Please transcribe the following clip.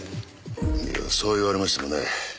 いやそう言われましてもね。